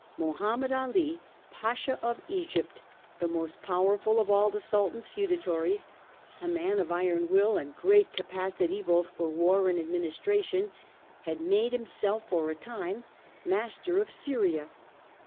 Mohammed Ali, Pasha of Egypt, the most powerful of all the 196 A. HISTORY OF OUR OWN TIMES. crt. ix. Sultan's feudatories, a man of iron mil and great capacity both, for war and administration, had made himself for a time master of Syria.